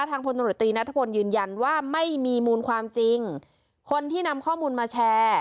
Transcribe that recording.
พลตำรวจตรีนัทพลยืนยันว่าไม่มีมูลความจริงคนที่นำข้อมูลมาแชร์